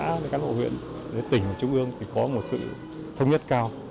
đến các cán bộ huyện đến tỉnh đến trung ương thì có một sự thông nhất cao